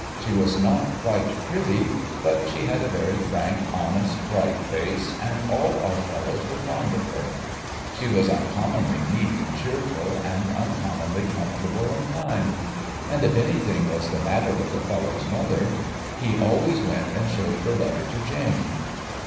She was not quite pretty ; but she had a very frank, honest, bright face, and all our fellows were fond of her. She was uncommonly neat and cheerful, and uncommonly comfortable and kind. And if anything was the matter with a fellow's mother, he always went and showed the letter to Jane.